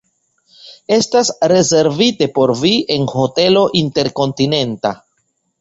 Estas rezervite por vi en Hotelo Interkontinenta!